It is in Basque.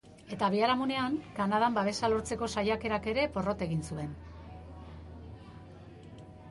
Eta, biharamunean, Kanadan babesa lortzeko saiakerak ere porrot egin zuen.